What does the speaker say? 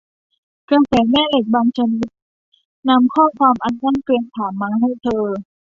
กระแสแม่เหล็กบางชนิดนำข้อความอันน่าเกรงขามมาให้เธอ